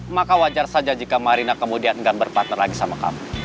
maka wajar saja jika marina kemudian enggan berpartner lagi sama kamu